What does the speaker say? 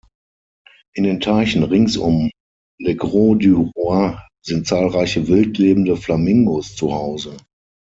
In den Teichen rings um Le Grau-du-Roi sind zahlreiche wildlebende Flamingos zu Hause.